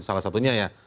salah satunya ya